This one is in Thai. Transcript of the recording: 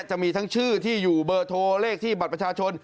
จะมีทั้งชื่อที่อยู่เบอร์โทรเลขที่บัตรประชาชน